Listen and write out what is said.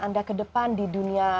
anda ke depan di dunia